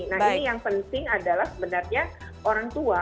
nah ini yang penting adalah sebenarnya orang tua